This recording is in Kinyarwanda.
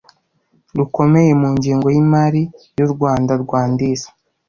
rukomeye mu ngengo y imari y u rwandarwandaise